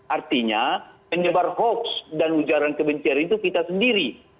artinya penyebar hoax dan ujaran kebencian itu kita sendiri